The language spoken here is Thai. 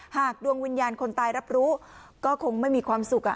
ดวงวิญญาณคนตายรับรู้ก็คงไม่มีความสุข